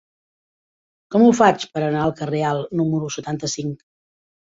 Com ho faig per anar al carrer Alt número setanta-cinc?